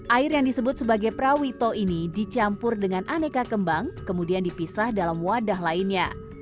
air yang disebut sebagai prawito ini dicampur dengan aneka kembang kemudian dipisah dalam wadah lainnya